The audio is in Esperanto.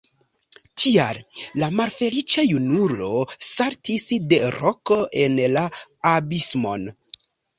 Tial la malfeliĉa junulo saltis de roko en la abismon.